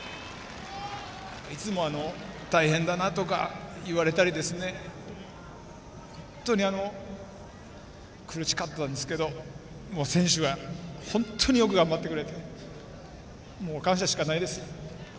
いつも大変だなとか言われたり本当に苦しかったんですけど選手が本当によく頑張ってくれて感謝しかないです。